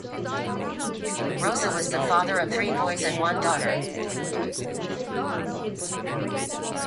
Rosa was the father of three boys and one daughter.